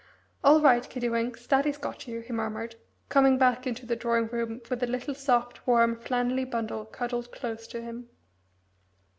"All right, Kiddie winks, daddy's got you," he murmured, coming back into the drawing room with the little soft, warm, flannelly bundle cuddled close to him.